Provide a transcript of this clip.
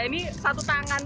ini satu tangan